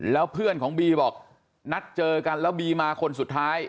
แล้วเพื่อนของบีบอกนัดเจอกันแล้วบีมาคนสุดท้าย